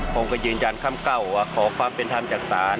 ภารกิจสรรค์ภารกิจสรรค์ภารกิจสรรค์ภารกิจสรรค์